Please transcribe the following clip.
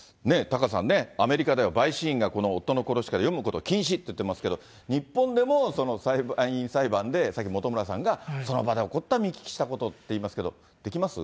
タカさんね、アメリカでは陪審員がこの夫の殺し方を読むことを禁止って言ってますけど、日本でもその裁判員裁判で、さっき本村さんが、その場で起こった、見聞きしたってことを言いますけど、できます？